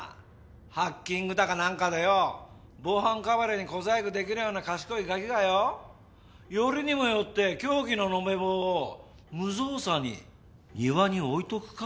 ハッキングだかなんかでよ防犯カメラに小細工できるような賢いガキがよよりにもよって凶器の延べ棒を無造作に庭に置いとくか？